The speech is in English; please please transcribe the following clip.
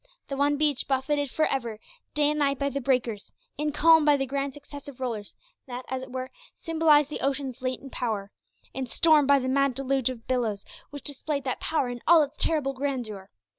The one beach, buffeted for ever, day and night, by the breakers in calm by the grand successive rollers that, as it were, symbolised the ocean's latent power in storm by the mad deluge of billows which displayed that power in all its terrible grandeur.